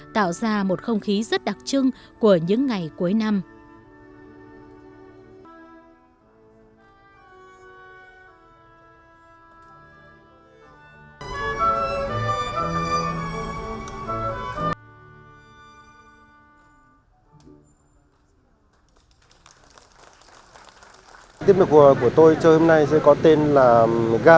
tạo ra một không khí rất đặc trưng của những ngày cuối năm